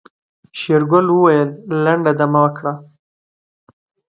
شېرګل وويل لنډه دمه کړه.